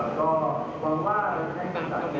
สวัสดีครับ